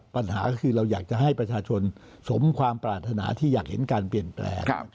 ปัญหาก็คือเราอยากจะให้ประชาชนสมความปรารถนาที่อยากเห็นการเปลี่ยนแปลง